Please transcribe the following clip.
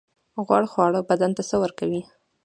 غوړ خواړه بدن ته څه ورکوي؟